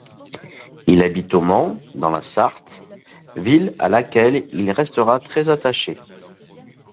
Il habite au Mans, dans la Sarthe, ville à laquelle il restera très attaché.